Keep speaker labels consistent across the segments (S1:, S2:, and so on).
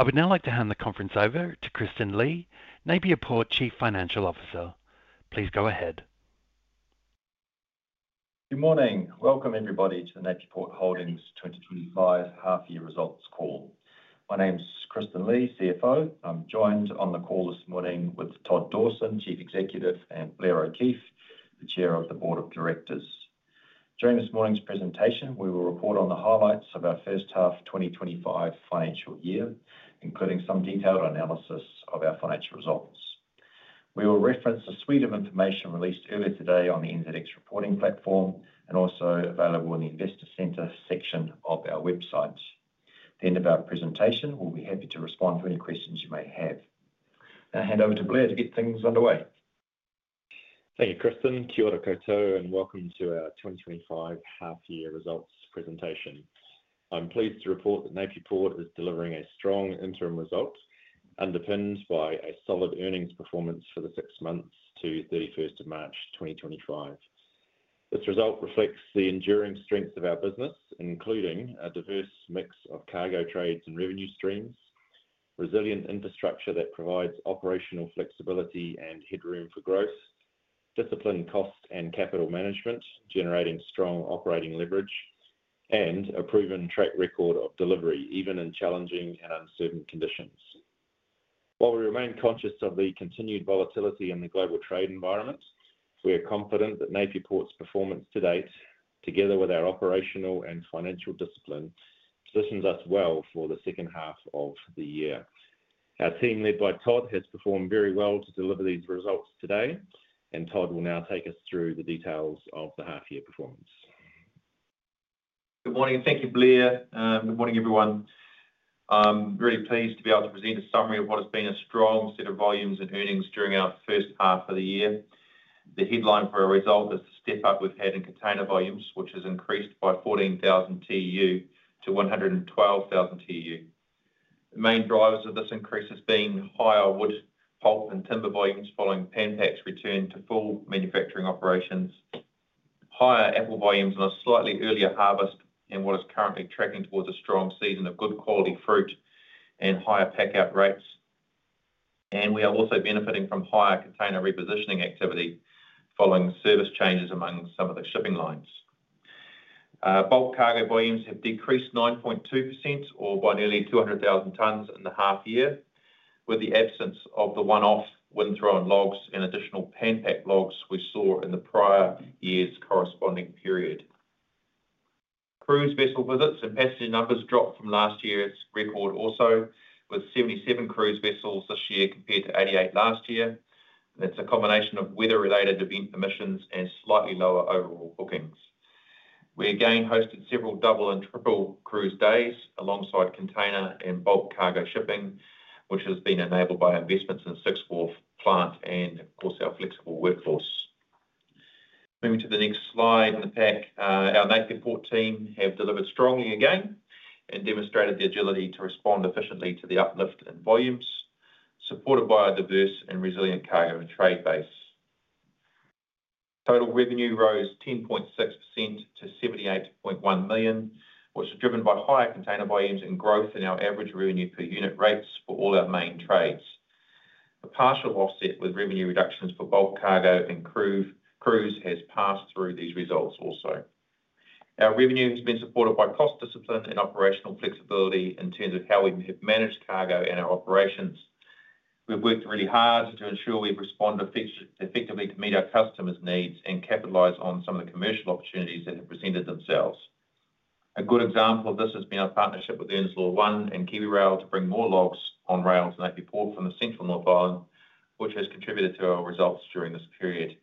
S1: I would now like to hand the conference over to Kristen Lie, Napier Port Chief Financial Officer. Please go ahead.
S2: Good morning. Welcome, everybody, to the Napier Port Holdings 2025 Half-Year Results Call. My name's Kristen Lie, CFO. I'm joined on the call this morning with Todd Dawson, Chief Executive, and Blair O'Keeffe, the Chair of the Board of Directors. During this morning's presentation, we will report on the highlights of our first half 2025 financial year, including some detailed analysis of our financial results. We will reference the suite of information released earlier today on the NZX Reporting Platform and also available in the Investor Center section of our website. At the end of our presentation, we'll be happy to respond to any questions you may have. Now, I'll hand over to Blair to get things underway.
S3: Thank you, Kristen. Kia ora koutou, and welcome to our 2025 half-year results presentation. I'm pleased to report that Napier Port is delivering a strong interim result, underpinned by a solid earnings performance for the six months to 31st March 2025. This result reflects the enduring strengths of our business, including a diverse mix of cargo trades and revenue streams, resilient infrastructure that provides operational flexibility and headroom for growth, disciplined cost and capital management generating strong operating leverage, and a proven track record of delivery even in challenging and uncertain conditions. While we remain conscious of the continued volatility in the global trade environment, we are confident that Napier Port's performance to date, together with our operational and financial discipline, positions us well for the second half of the year. Our team, led by Todd, has performed very well to deliver these results today, and Todd will now take us through the details of the half-year performance.
S4: Good morning. Thank you, Blair. Good morning, everyone. I'm really pleased to be able to present a summary of what has been a strong set of volumes and earnings during our first half of the year. The headline for our result is the step-up we've had in container volumes, which has increased by 14,000 TEU to 112,000 TEU. The main drivers of this increase have been higher wood, pulp, and timber volumes following Pan Pac's return to full manufacturing operations, higher apple volumes on a slightly earlier harvest, and what is currently tracking towards a strong season of good quality fruit and higher pack out rates. We are also benefiting from higher container repositioning activity following service changes among some of the shipping lines. Bulk cargo volumes have decreased 9.2% or by nearly 200,000 tonnes in the half-year, with the absence of the one-off windthrow and logs and additional Pan Pac logs we saw in the prior year's corresponding period. Cruise vessel visits and passenger numbers dropped from last year's record, also with 77 cruise vessels this year compared to 88 last year. That is a combination of weather-related event emissions and slightly lower overall bookings. We again hosted several double and triple cruise days alongside container and bulk cargo shipping, which has been enabled by investments in Six Wharf Plant and, of course, our flexible workforce. Moving to the next slide in the pack, our Napier Port team have delivered strongly again and demonstrated the agility to respond efficiently to the uplift in volumes, supported by a diverse and resilient cargo and trade base. Total revenue rose 10.6% to 78.1 million, which is driven by higher container volumes and growth in our average revenue per unit rates for all our main trades. A partial offset with revenue reductions for bulk cargo and cruise has passed through these results also. Our revenue has been supported by cost discipline and operational flexibility in terms of how we have managed cargo and our operations. We've worked really hard to ensure we've responded effectively to meet our customers' needs and capitalize on some of the commercial opportunities that have presented themselves. A good example of this has been our partnership with KiwiRail to bring more logs on rails to Napier Port from the Central North Island, which has contributed to our results during this period.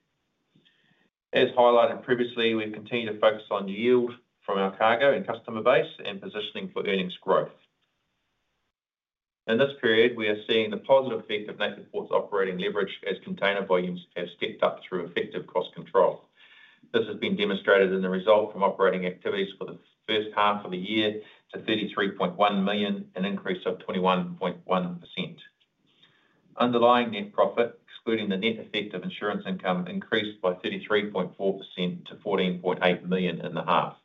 S4: As highlighted previously, we've continued to focus on yield from our cargo and customer base and positioning for earnings growth. In this period, we are seeing the positive effect of Napier Port's operating leverage as container volumes have stepped up through effective cost control. This has been demonstrated in the result from operating activities for the first half of the year to 33.1 million, an increase of 21.1%. Underlying net profit, excluding the net effective insurance income, increased by 33.4% to 14.8 million in the half.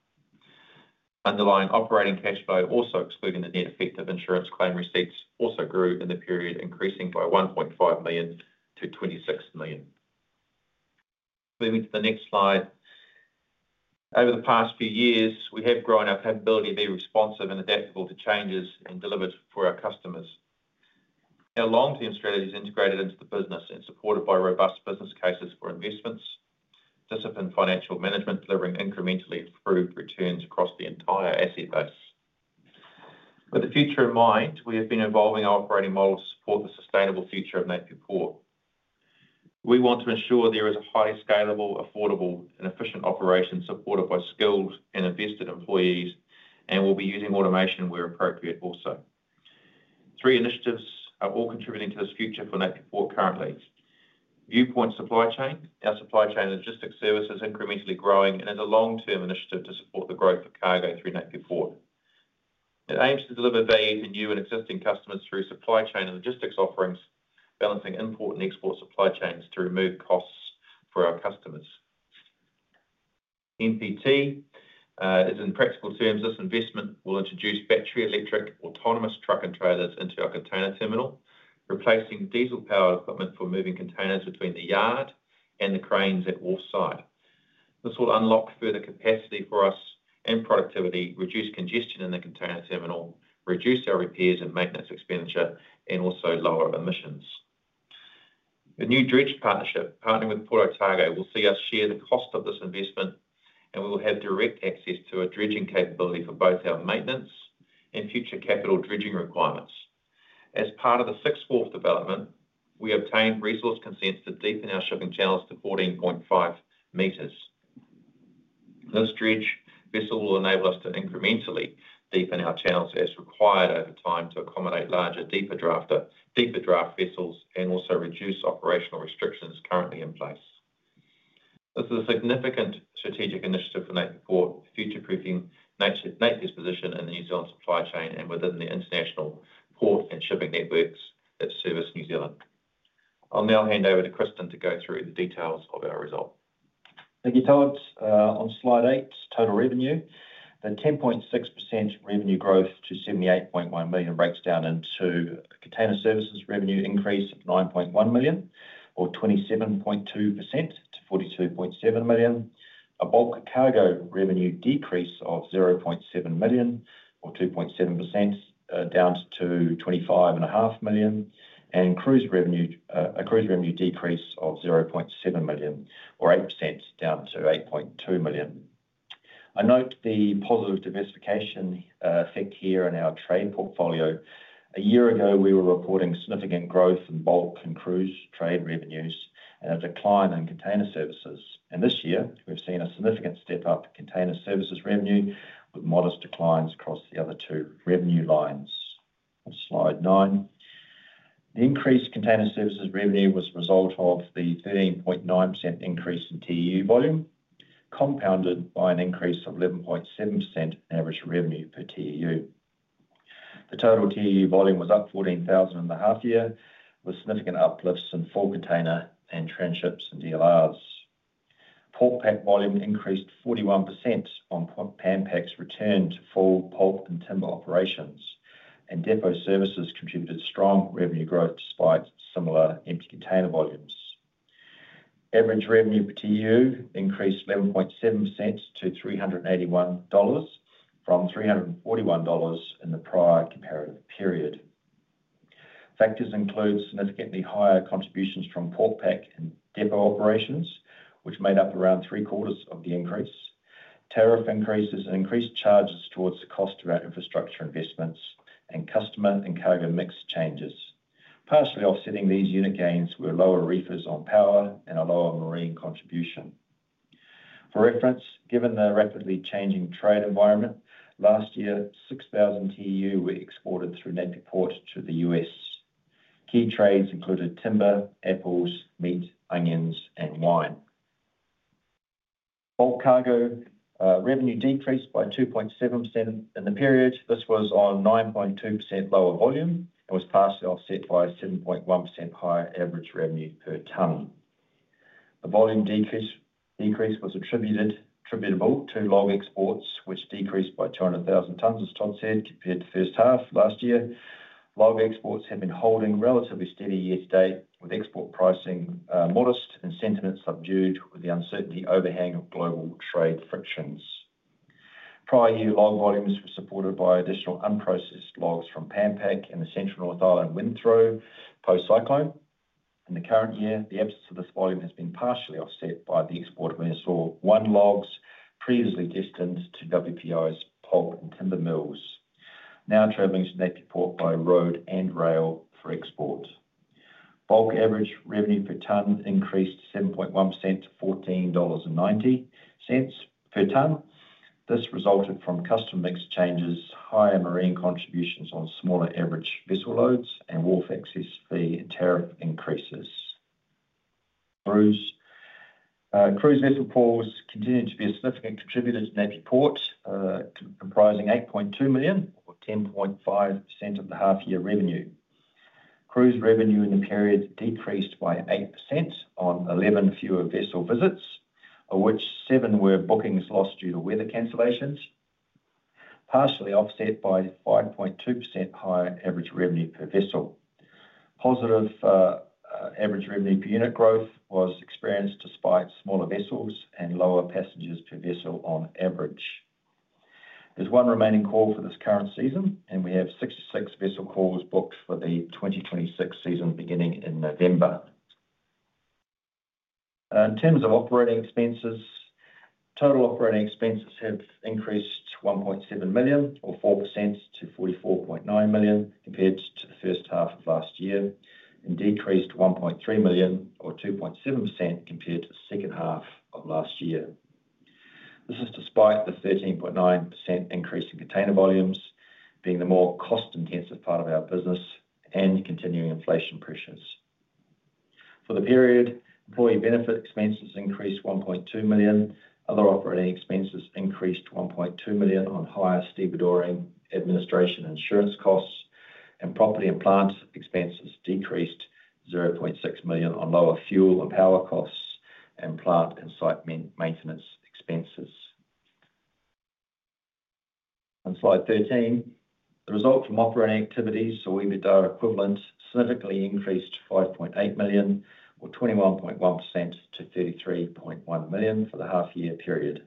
S4: Underlying operating cash flow, also excluding the net effective insurance claim receipts, also grew in the period, increasing by 1.5 million to 26 million. Moving to the next slide. Over the past few years, we have grown our capability to be responsive and adaptable to changes and delivered for our customers. Our long-term strategy is integrated into the business and supported by robust business cases for investments, disciplined financial management delivering incrementally improved returns across the entire asset base. With the future in mind, we have been evolving our operating model to support the sustainable future of Napier Port. We want to ensure there is a highly scalable, affordable, and efficient operation supported by skilled and invested employees, and we'll be using automation where appropriate also. Three initiatives are all contributing to this future for Napier Port currently. Viewpoint Supply Chain, our supply chain logistics service, is incrementally growing and is a long-term initiative to support the growth of cargo through Napier Port. It aims to deliver value to new and existing customers through supply chain and logistics offerings, balancing import and export supply chains to remove costs for our customers. NPT is, in practical terms, this investment will introduce battery electric autonomous truck and trailers into our container terminal, replacing diesel-powered equipment for moving containers between the yard and the cranes at wharf site. This will unlock further capacity for us and productivity, reduce congestion in the container terminal, reduce our repairs and maintenance expenditure, and also lower emissions. The new dredge partnership, partnering with Port Otago, will see us share the cost of this investment, and we will have direct access to a dredging capability for both our maintenance and future capital dredging requirements. As part of the Six Wharf development, we obtained resource consents to deepen our shipping channels to 14.5 meters. This dredge vessel will enable us to incrementally deepen our channels as required over time to accommodate larger, deeper draft vessels and also reduce operational restrictions currently in place. This is a significant strategic initiative for Napier Port, future-proofing Napier's position in the New Zealand supply chain and within the international port and shipping networks that service New Zealand. I'll now hand over to Kristen to go through the details of our result.
S2: Thank you, Todd. On slide eight, total revenue, the 10.6% revenue growth to 78.1 million breaks down into container services revenue increase of 9.1 million or 27.2% to 42.7 million, a bulk cargo revenue decrease of 0.7 million or 2.7% down to 25.5 million, and a cruise revenue decrease of 0.7 million or 8% down to 8.2 million. I note the positive diversification effect here in our trade portfolio. A year ago, we were reporting significant growth in bulk and cruise trade revenues and a decline in container services. This year, we have seen a significant step-up in container services revenue with modest declines across the other two revenue lines. On slide nine, the increased container services revenue was a result of the 13.9% increase in TEU volume, compounded by an increase of 11.7% in average revenue per TEU. The total TEU volume was up 14,000 in the half-year with significant uplifts in full container and transships and DLRs. Pulp pack volume increased 41% on Pan Pacs returned to full pulp and timber operations, and depot services contributed strong revenue growth despite similar empty container volumes. Average revenue per TEU increased 11.7% to 381 dollars from 341 dollars in the prior comparative period. Factors include significantly higher contributions from pulp pack and depot operations, which made up around 3/4 of the increase, tariff increases, and increased charges towards the cost of our infrastructure investments and customer and cargo mix changes, partially offsetting these unit gains with lower reefers on power and a lower marine contribution. For reference, given the rapidly changing trade environment, last year, 6,000 TEU were exported through Napier Port to the US. Key trades included timber, apples, meat, onions, and wine. Bulk cargo revenue decreased by 2.7% in the period. This was on 9.2% lower volume and was partially offset by a 7.1% higher average revenue per tonne. The volume decrease was attributable to log exports, which decreased by 200,000 tonnes, as Todd said, compared to the first half last year. Log exports have been holding relatively steady year to date, with export pricing modest and sentiment subdued with the uncertainty overhanging of global trade frictions. Prior year log volumes were supported by additional unprocessed logs from Pan Pac and the Central North Island windthrow post cyclone. In the current year, the absence of this volume has been partially offset by the export of windthrow one logs previously destined to WPR's pulp and timber mills, now travelling to Napier Port by road and rail for export. Bulk average revenue per tonne increased 7.1% to 14.90 dollars per tonne. This resulted from customer mix changes, higher marine contributions on smaller average vessel loads, and wharf access fee and tariff increases. Cruise vessel ports continue to be a significant contributor to Napier Port, comprising 8.2 million or 10.5% of the half-year revenue. Cruise revenue in the period decreased by 8% on 11 fewer vessel visits, of which seven were bookings lost due to weather cancellations, partially offset by 5.2% higher average revenue per vessel. Positive average revenue per unit growth was experienced despite smaller vessels and lower passengers per vessel on average. There's one remaining call for this current season, and we have 66 vessel calls booked for the 2026 season beginning in November. In terms of operating expenses, total operating expenses have increased 1.7 million or 4% to 44.9 million compared to the first half of last year and decreased 1.3 million or 2.7% compared to the second half of last year. This is despite the 13.9% increase in container volumes being the more cost-intensive part of our business and continuing inflation pressures. For the period, employee benefit expenses increased 1.2 million. Other operating expenses increased 1.2 million on higher stevedore administration and insurance costs, and property and plant expenses decreased 0.6 million on lower fuel and power costs and plant and site maintenance expenses. On slide 13, the result from operating activities or EBITDA equivalent significantly increased 5.8 million or 21.1% to 33.1 million for the half-year period.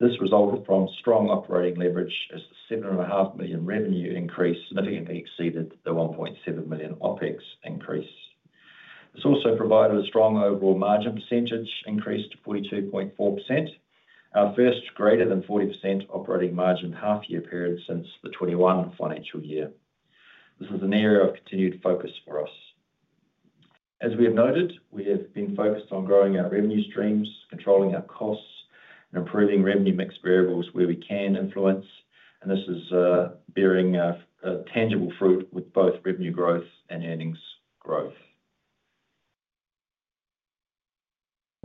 S2: This resulted from strong operating leverage as the 7.5 million revenue increase significantly exceeded the 1.7 million OpEx increase. This also provided a strong overall margin percentage increase to 42.4%, our first greater than 40% operating margin half-year period since the 2021 financial year. This is an area of continued focus for us. As we have noted, we have been focused on growing our revenue streams, controlling our costs, and improving revenue mix variables where we can influence, and this is bearing tangible fruit with both revenue growth and earnings growth.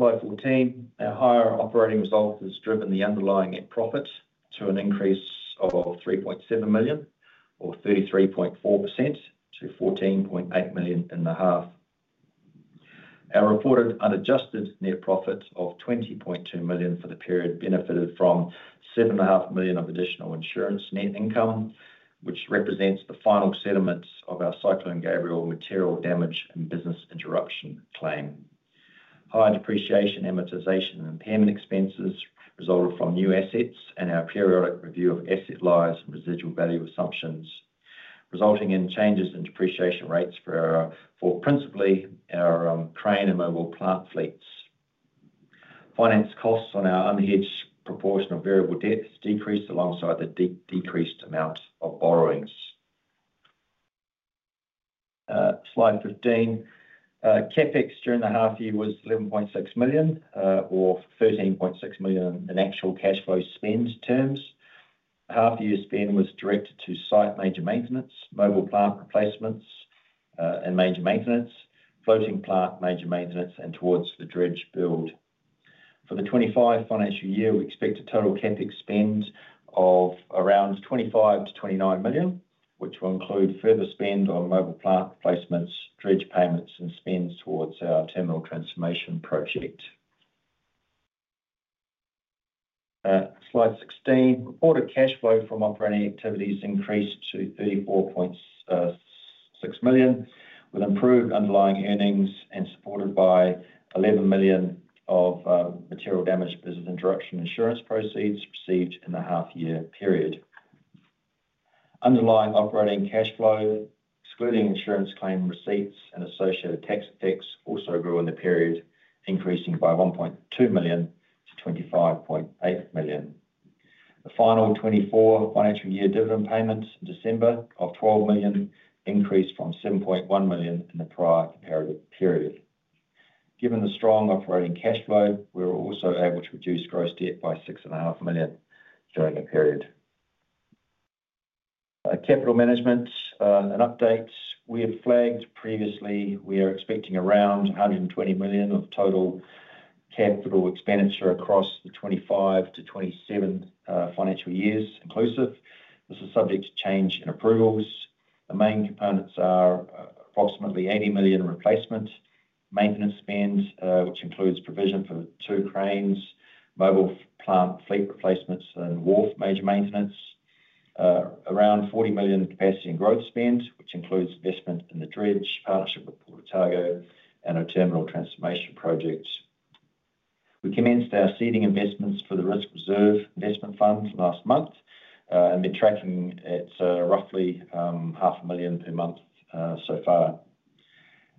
S2: Slide 14, our higher operating result has driven the underlying net profit to an increase of 3.7 million or 33.4% to 14.8 million in the half. Our reported unadjusted net profit of 20.2 million for the period benefited from 7.5 million of additional insurance net income, which represents the final settlement of our Cyclone Gabrielle material damage and business interruption claim. Higher depreciation, amortization, and impairment expenses resulted from new assets and our periodic review of asset lines and residual value assumptions, resulting in changes in depreciation rates for principally our crane and mobile plant fleets. Finance costs on our unhedged proportional variable debts decreased alongside the decreased amount of borrowings. Slide 15, CapEx during the half-year was 11.6 million or 13.6 million in actual cash flow spend terms. Half-year spend was directed to site major maintenance, mobile plant replacements and major maintenance, floating plant major maintenance, and towards the dredge build. For the 2025 financial year, we expect a total CapEx spend of around 25-29 million, which will include further spend on mobile plant replacements, dredge payments, and spends towards our terminal transformation project. Slide 16, reported cash flow from operating activities increased to 34.6 million with improved underlying earnings and supported by 11 million of material damage business interruption insurance proceeds received in the half-year period. Underlying operating cash flow, excluding insurance claim receipts and associated tax effects, also grew in the period, increasing by 1.2 million-25.8 million. The final 2024 financial year dividend payments in December of 12 million increased from 7.1 million in the prior comparative period. Given the strong operating cash flow, we were also able to reduce gross debt by 6.5 million during the period. Capital management, an update. We have flagged previously we are expecting around 120 million of total capital expenditure across the 2025 to 2027 financial years inclusive. This is subject to change in approvals. The main components are approximately 80 million replacement maintenance spend, which includes provision for two cranes, mobile plant fleet replacements, and wharf major maintenance. Around 40 million capacity and growth spend, which includes investment in the dredge, partnership with Port Otago, and a terminal transformation project. We commenced our seeding investments for the risk reserve investment fund last month and been tracking at roughly 500,000 per month so far.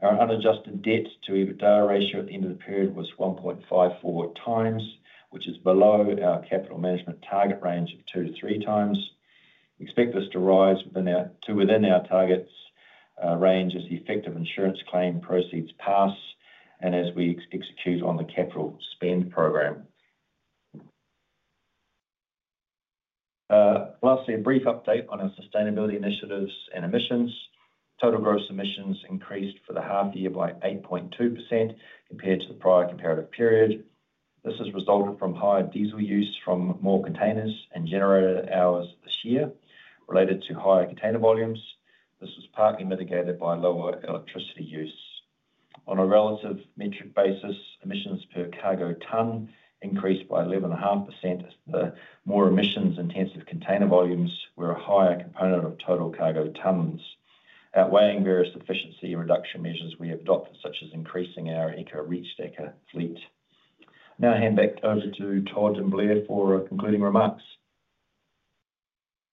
S2: Our unadjusted debt to EBITDA ratio at the end of the period was 1.54 times, which is below our capital management target range of two to three times. We expect this to rise to within our target range as the effective insurance claim proceeds pass and as we execute on the capital spend program. Lastly, a brief update on our sustainability initiatives and emissions. Total gross emissions increased for the half-year by 8.2% compared to the prior comparative period. This has resulted from higher diesel use from more containers and generator hours this year, related to higher container volumes. This was partly mitigated by lower electricity use. On a relative metric basis, emissions per cargo tonne increased by 11.5% as the more emissions-intensive container volumes were a higher component of total cargo tonnes, outweighing various efficiency and reduction measures we have adopted, such as increasing our ECHA reach deck fleet. Now I hand back over to Todd and Blair for concluding remarks.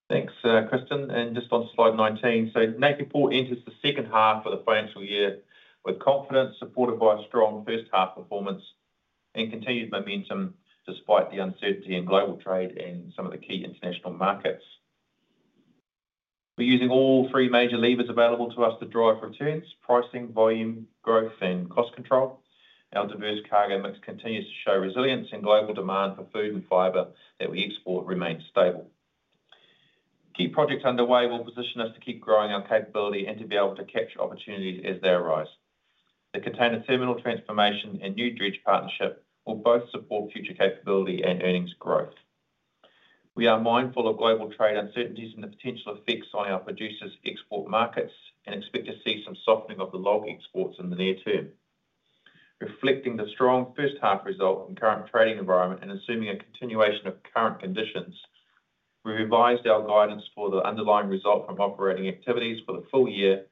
S4: Thanks, Kristen. Just on slide 19, Napier Port enters the second half of the financial year with confidence supported by a strong first half performance and continued momentum despite the uncertainty in global trade and some of the key international markets. We are using all three major levers available to us to drive returns, pricing, volume, growth, and cost control. Our diverse cargo mix continues to show resilience and global demand for food and fibre that we export remains stable. Key projects underway will position us to keep growing our capability and to be able to capture opportunities as they arise. The container terminal transformation and new dredge partnership will both support future capability and earnings growth. We are mindful of global trade uncertainties and the potential effects on our producers' export markets and expect to see some softening of the log exports in the near term. Reflecting the strong first half result and current trading environment and assuming a continuation of current conditions, we revised our guidance for the underlying result from operating activities for the full year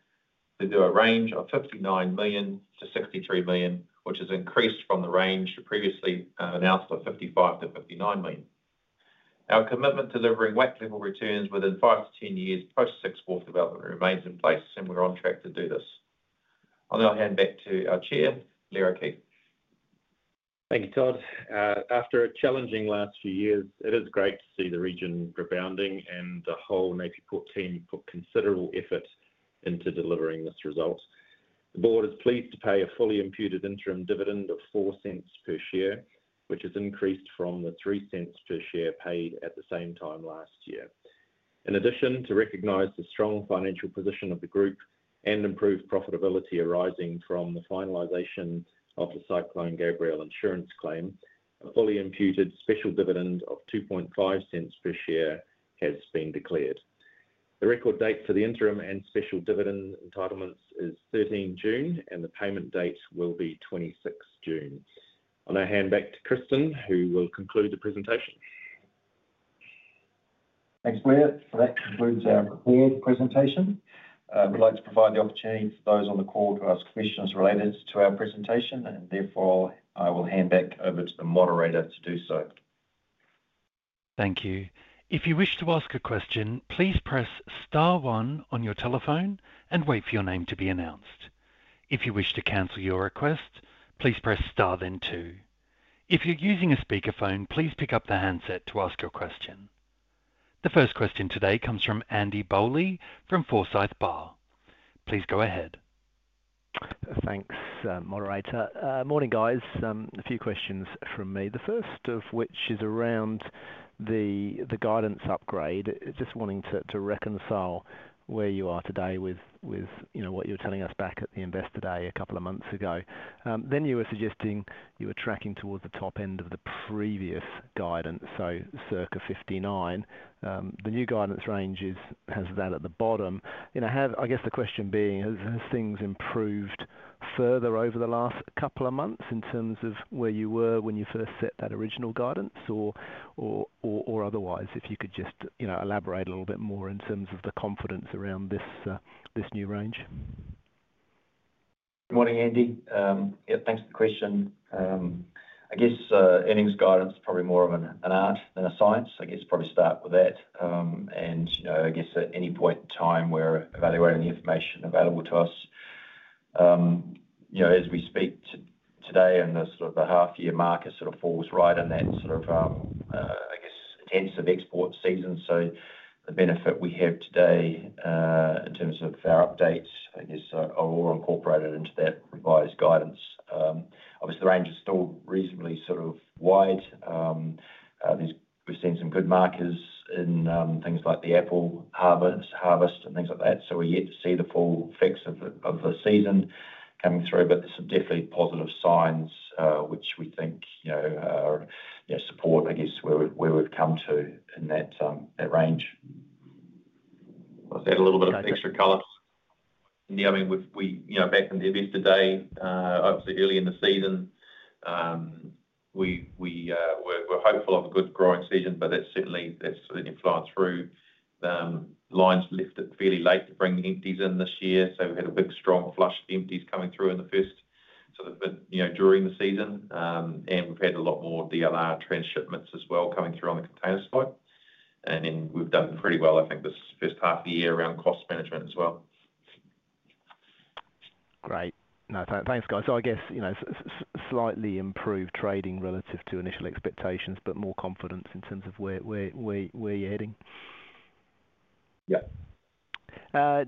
S4: to a range of 59 million-63 million, which has increased from the range previously announced of 55 million-59 million. Our commitment to delivering WACC level returns within 5-10 years post export development remains in place, and we're on track to do this. I'll now hand back to our Chair, Blair O'Keeffe.
S3: Thank you, Todd. After a challenging last few years, it is great to see the region rebounding and the whole Napier Port team put considerable effort into delivering this result. The board is pleased to pay a fully imputed interim dividend of 0.04 per share, which has increased from the 0.03 per share paid at the same time last year. In addition, to recognize the strong financial position of the group and improved profitability arising from the finalization of the Cyclone Gabriel insurance claim, a fully imputed special dividend of 0.025 per share has been declared. The record date for the interim and special dividend entitlements is 13th June, and the payment date will be 26th June. I'll now hand back to Kristen, who will conclude the presentation.
S2: Thanks, Blair. That concludes our prepared presentation. We'd like to provide the opportunity for those on the call to ask questions related to our presentation, and therefore I will hand back over to the moderator to do so.
S1: Thank you. If you wish to ask a question, please press star one on your telephone and wait for your name to be announced. If you wish to cancel your request, please press star then two. If you're using a speakerphone, please pick up the handset to ask your question. The first question today comes from Andy Bowley from Forsyth Barr. Please go ahead.
S5: Thanks, moderator. Morning, guys. A few questions from me, the first of which is around the guidance upgrade. Just wanting to reconcile where you are today with what you were telling us back at the Investor Day a couple of months ago. Then you were suggesting you were tracking towards the top end of the previous guidance, so circa 59 million. The new guidance range has that at the bottom. I guess the question being, have things improved further over the last couple of months in terms of where you were when you first set that original guidance or otherwise? If you could just elaborate a little bit more in terms of the confidence around this new range.
S4: Good morning, Andy. Yeah, thanks for the question. I guess earnings guidance is probably more of an art than a science. I guess probably start with that. At any point in time we're evaluating the information available to us. As we speak today and the sort of the half-year marker sort of falls right in that sort of, I guess, intensive export season. The benefit we have today in terms of our updates, I guess, are all incorporated into that revised guidance. Obviously, the range is still reasonably sort of wide. We've seen some good markers in things like the apple harvest and things like that. We're yet to see the full effects of the season coming through, but there's some definitely positive signs which we think support, I guess, where we've come to in that range.
S5: Was that a little bit of extra color?
S4: Yeah, I mean, back in the Investor Day, obviously early in the season, we were hopeful of a good growing season, but that's certainly flown through. Lines left it fairly late to bring empties in this year. We had a big strong flush of empties coming through in the first sort of during the season. We have had a lot more DLR transshipments as well coming through on the container side. We have done pretty well, I think, this first half of the year around cost management as well.
S5: Great. No, thanks, guys. I guess slightly improved trading relative to initial expectations, but more confidence in terms of where you're heading. A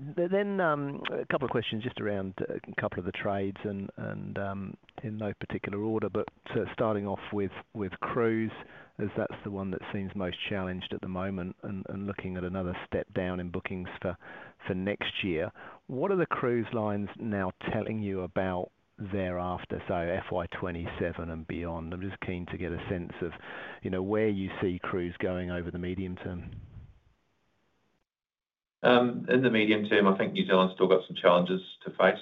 S5: couple of questions just around a couple of the trades and in no particular order, but starting off with cruise, as that's the one that seems most challenged at the moment and looking at another step down in bookings for next year. What are the cruise lines now telling you about thereafter, so FY 2027 and beyond? I'm just keen to get a sense of where you see cruise going over the medium term.
S4: In the medium term, I think New Zealand's still got some challenges to face.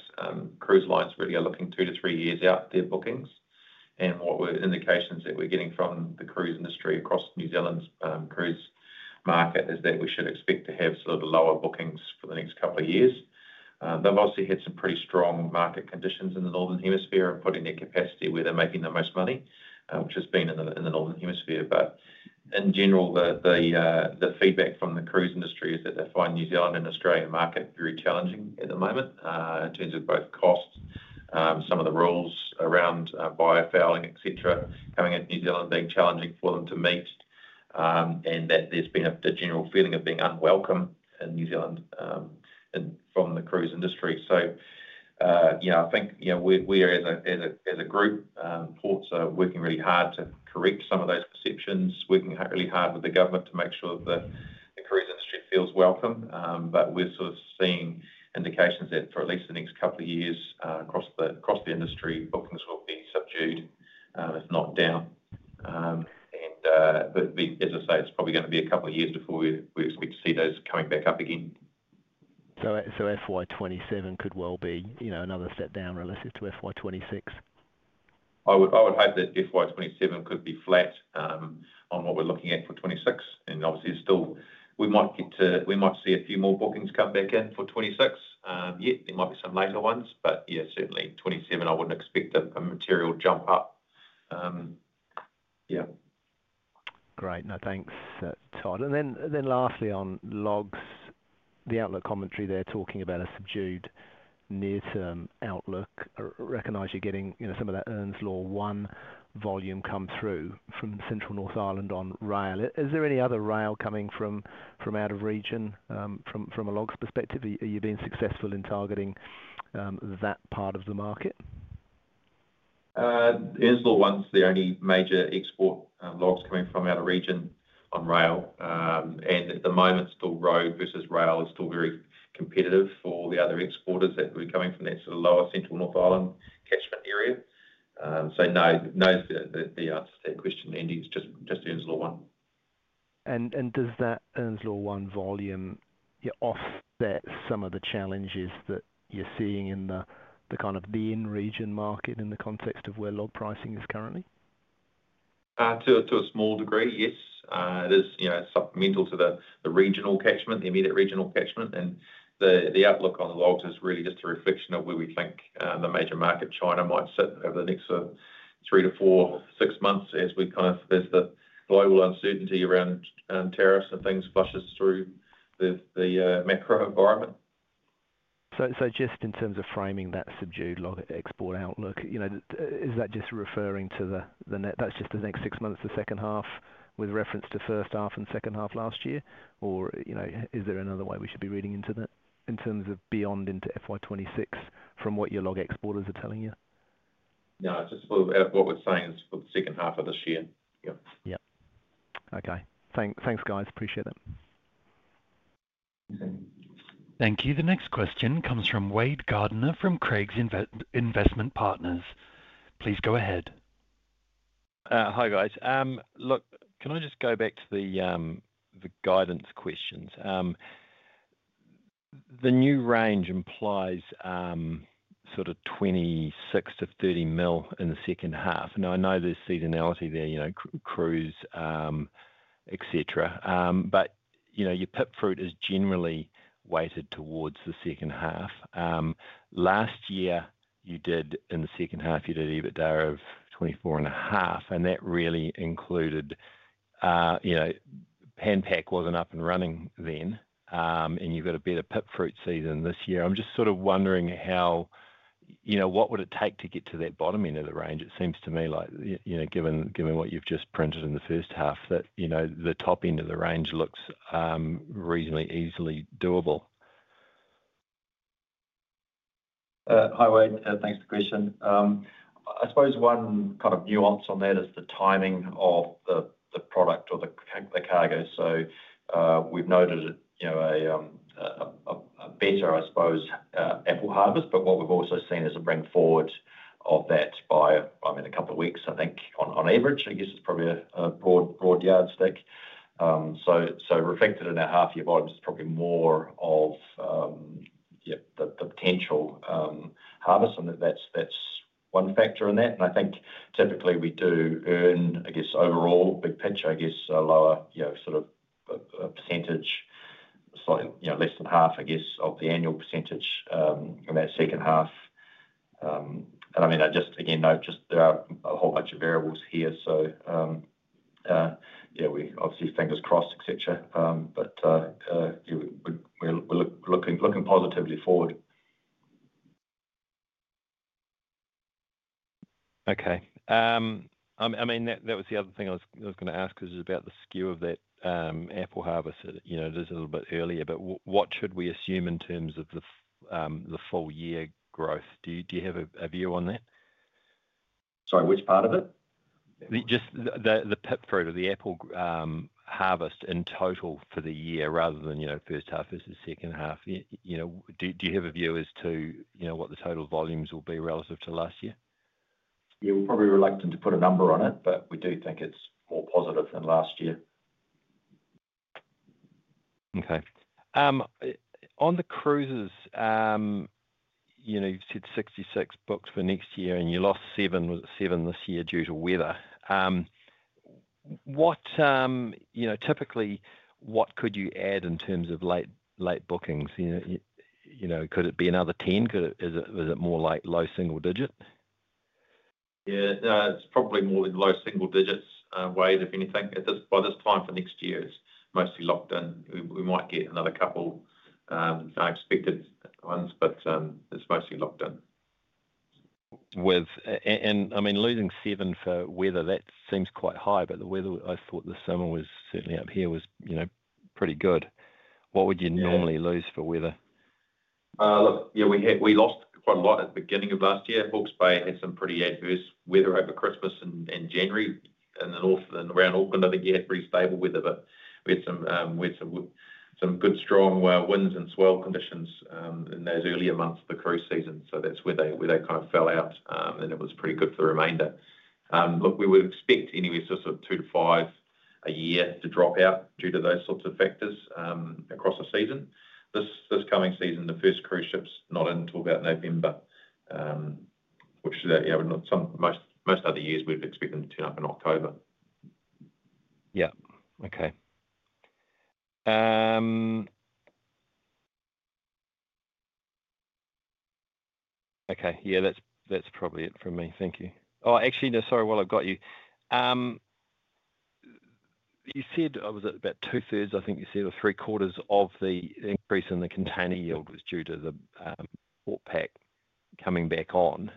S4: Cruise lines really are looking two to three years out their bookings. What we're indications that we're getting from the cruise industry across New Zealand's cruise market is that we should expect to have sort of lower bookings for the next couple of years. They've obviously had some pretty strong market conditions in the northern hemisphere and put in their capacity where they're making the most money, which has been in the northern hemisphere. In general, the feedback from the cruise industry is that they find New Zealand and Australian market very challenging at the moment in terms of both costs, some of the rules around biofouling, etc., coming at New Zealand being challenging for them to meet, and that there has been a general feeling of being unwelcome in New Zealand from the cruise industry. I think we as a group, ports, are working really hard to correct some of those perceptions, working really hard with the government to make sure that the cruise industry feels welcome. We are sort of seeing indications that for at least the next couple of years across the industry, bookings will be subdued, if not down. As I say, it is probably going to be a couple of years before we expect to see those coming back up again.
S5: FY 2027 could well be another set down relative to FY26?
S4: I would hope that FY 2027 could be flat on what we're looking at for 2026. Obviously, we might see a few more bookings come back in for 2026. Yeah, there might be some later ones. Certainly, 2027, I wouldn't expect a material jump up. Yeah.
S5: Great. No, thanks, Todd. Lastly on logs, the outlook commentary there talking about a subdued near-term outlook. Recognize you're getting some of that Ernslaw One volume come through from Central North Island on rail. Is there any other rail coming from out of region from a logs perspective? Are you being successful in targeting that part of the market?
S4: Ernslaw One's the only major export logs coming from out of region on rail. At the moment, still road versus rail is still very competitive for the other exporters that will be coming from that sort of lower Central North Island catchment area. No, the answer to that question, Andy, is just Ernslaw One.
S5: Does that Ernslaw One volume offset some of the challenges that you're seeing in the kind of the in-region market in the context of where log pricing is currently?
S4: To a small degree, yes. It is supplemental to the regional catchment, the immediate regional catchment. The outlook on logs is really just a reflection of where we think the major market, China, might sit over the next three to four, six months as we kind of as the global uncertainty around tariffs and things flushes through the macro environment.
S5: Just in terms of framing that subdued export outlook, is that just referring to the next six months, the second half, with reference to first half and second half last year? Or is there another way we should be reading into that in terms of beyond into FY 2026 from what your log exporters are telling you?
S4: No, just what we're saying is for the second half of this year. Yeah.
S5: Yep. Okay. Thanks, guys. Appreciate it.
S1: Thank you. The next question comes from Wade GardIner from Craigs Investment Partners. Please go ahead.
S6: Hi, guys. Look, can I just go back to the guidance questions? The new range implies sort of 26 million-30 million in the second half. I know there's seasonality there, cruise, etc. Your pipfruit is generally weighted towards the second half. Last year, in the second half, you did an EBITDA of 24.5 million. That really included handpack was not up and running then. You have got a bit of pipfruit season this year. I'm just sort of wondering what would it take to get to that bottom end of the range? It seems to me, given what you have just printed in the first half, that the top end of the range looks reasonably easily doable.
S4: Hi, Wade. Thanks for the question. I suppose one kind of nuance on that is the timing of the product or the cargo. We have noted a better, I suppose, apple harvest. What we have also seen is a bring forward of that by, I mean, a couple of weeks, I think, on average. I guess it is probably a broad yardstick. Reflected in our half-year volumes, it is probably more of the potential harvest. That is one factor in that. I think typically we do earn, I guess, overall, big pitch, I guess, a lower sort of percentage, less than half, I guess, of the annual percentage in that second half. I mean, just again, there are a whole bunch of variables here. We obviously, fingers crossed, etc. We are looking positively forward.
S6: Okay. I mean, that was the other thing I was going to ask because it was about the skew of that apple harvest. It is a little bit earlier. What should we assume in terms of the full year growth? Do you have a view on that?
S4: Sorry, which part of it?
S6: Just the pip fruit or the apple harvest in total for the year rather than first half versus second half. Do you have a view as to what the total volumes will be relative to last year?
S4: Yeah, we're probably reluctant to put a number on it, but we do think it's more positive than last year.
S6: Okay. On the cruises, you've said 66 booked for next year, and you lost seven. Was it seven this year due to weather? Typically, what could you add in terms of late bookings? Could it be another 10? Was it more like low single digit?
S4: Yeah, it's probably more low single digits, Wade, if anything. By this time for next year is mostly locked in. We might get another couple expected ones, but it's mostly locked in.
S6: I mean, losing seven for weather, that seems quite high. The weather I thought this summer was certainly up here was pretty good. What would you normally lose for weather?
S4: Look, yeah, we lost quite a lot at the beginning of last year. Hawke's Bay had some pretty adverse weather over Christmas and January. Around Auckland, I think you had pretty stable weather. We had some good strong winds and swell conditions in those earlier months of the cruise season. That is where they kind of fell out. It was pretty good for the remainder. Look, we would expect anyway sort of two to five a year to drop out due to those sorts of factors across the season. This coming season, the first cruise ship is not until about November, which most other years we would expect them to turn up in October.
S6: Yep. Okay. Okay. Yeah, that's probably it from me. Thank you. Oh, actually, sorry, while I've got you. You said it was about 2/3, I think you said, or 3/4 of the increase in the container yield was due to the port pack coming back on.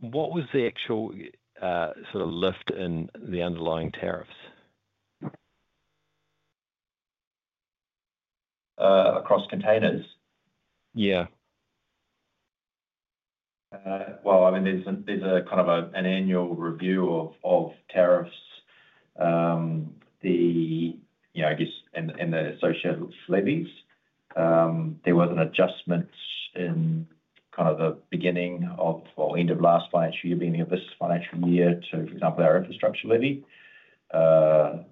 S6: What was the actual sort of lift in the underlying tariffs?
S4: Across containers?
S6: Yeah.
S4: I mean, there's a kind of an annual review of tariffs, I guess, and the associated levies. There was an adjustment in kind of the beginning of or end of last financial year, beginning of this financial year to, for example, our infrastructure levy. That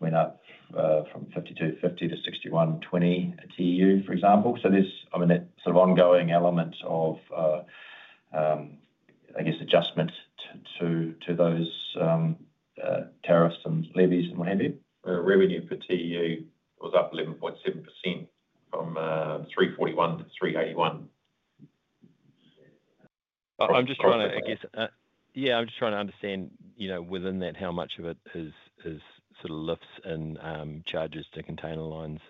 S4: went up from 52.50-61.20 per TEU, for example. There's, I mean, that sort of ongoing element of, I guess, adjustment to those tariffs and levies and what have you. Revenue per TEU was up 11.7% from 341-381.
S6: I'm just trying to, I guess, yeah, I'm just trying to understand within that how much of it is sort of lifts and charges to container lines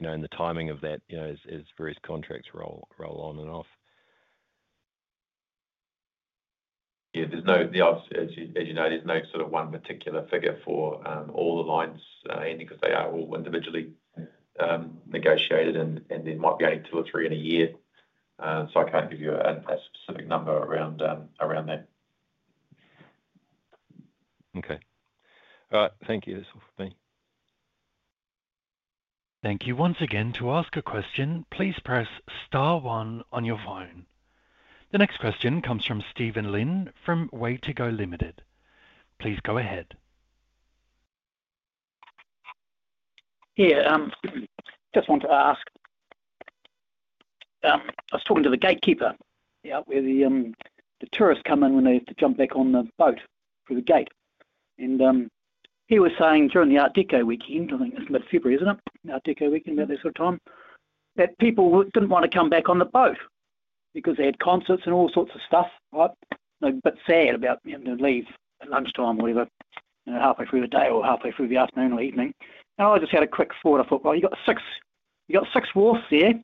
S6: and the timing of that as various contracts roll on and off.
S4: Yeah, as you know, there's no sort of one particular figure for all the lines, Andy, because they are all individually negotiated. There might be only two or three in a year. I can't give you a specific number around that.
S6: Okay. All right. Thank you. That's all for me.
S1: Thank you once again. To ask a question, please press star one on your phone. The next question comes from Stephen Lynn from Way to Go Limited. Please go ahead. Yeah. Just want to ask. I was talking to the gatekeeper where the tourists come in when they have to jump back on the boat through the gate. He was saying during the Art Deco weekend, I think it's mid-February, isn't it? Art Deco weekend, about that sort of time, that people didn't want to come back on the boat because they had concerts and all sorts of stuff, right? A bit sad about having to leave at lunchtime or whatever, halfway through the day or halfway through the afternoon or evening. I just had a quick thought. I thought, well, you got six wharves there.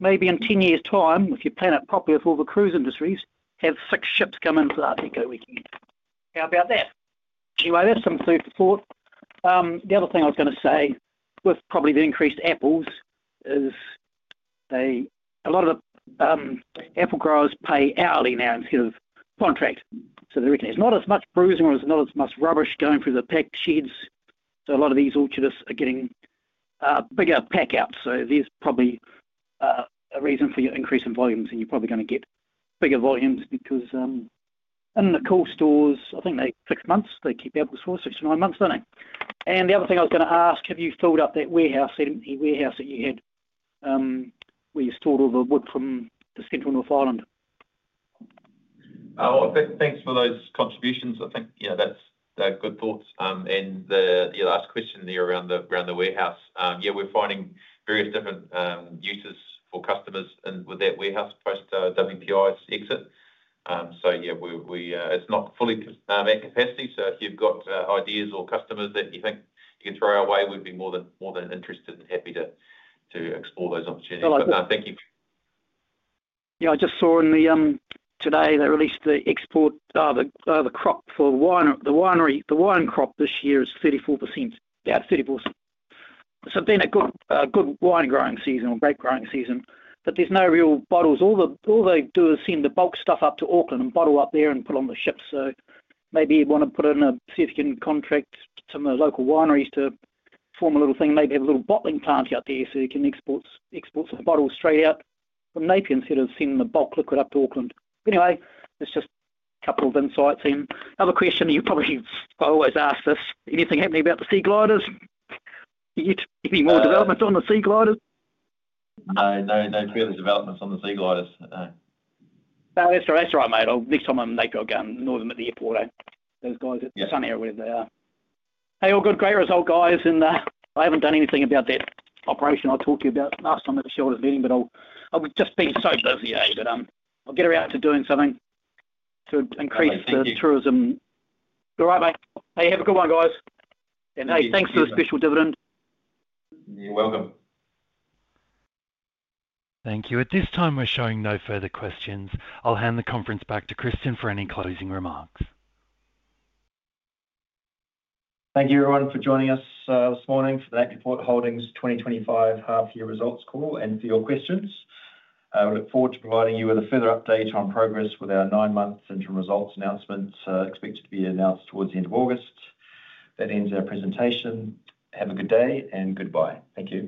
S1: Maybe in 10 years' time, if you plan it properly with all the cruise industries, have six ships come in for the Art Deco weekend. How about that? Anyway, that's some food for thought. The other thing I was going to say with probably the increased apples is a lot of the apple growers pay hourly now instead of contract. There is not as much bruising or there is not as much rubbish going through the packed sheds. A lot of these orchards are getting bigger pack-outs. There is probably a reason for your increase in volumes. You are probably going to get bigger volumes because in the cool stores, I think they have six months. They keep apples for six to nine months, do not they? The other thing I was going to ask, have you filled up that warehouse, any warehouse that you had where you stored all the wood from the Central North Island?
S4: Oh, thanks for those contributions. I think that's a good thought. Your last question there around the warehouse, yeah, we're finding various different uses for customers with that warehouse post Winstone Pulp & Paper's exit. Yeah, it's not fully at capacity. If you've got ideas or customers that you think you can throw our way, we'd be more than interested and happy to explore those opportunities. No, thank you. Yeah. I just saw in the today, they released the export, the crop for the wine. The wine crop this year is 34%, about 34%. It has been a good wine-growing season or grape-growing season. There are no real bottles. All they do is send the bulk stuff up to Auckland and bottle up there and put on the ships. Maybe you want to put in a significant contract to some of the local wineries to form a little thing, maybe have a little bottling plant out there so you can export some bottles straight out from Napier instead of sending the bulk liquid up to Auckland. Anyway, that's just a couple of insights. Another question, you probably always ask this, anything happening about the Sea Gliders? Any more developments on the Sea Gliders? No, no further developments on the Sea Gliders. That's right, mate. Next time I'm in Napier, I'll go northern at the airport. Those guys at Sun Air, where they are. Hey, all good? Great result, guys. I haven't done anything about that operation I talked to you about last time at the shelter's meeting. I've just been so busy, but I'll get around to doing something to increase the tourism. All right, mate. Hey, have a good one, guys. Thanks for the special dividend. You're welcome.
S1: Thank you. At this time, we're showing no further questions. I'll hand the conference back to Kristen for any closing remarks.
S4: Thank you, everyone, for joining us this morning for the Napier Port Holdings 2025 half-year results call and for your questions. I look forward to providing you with a further update on progress with our nine-month central results announcement expected to be announced towards the end of August. That ends our presentation. Have a good day and goodbye. Thank you.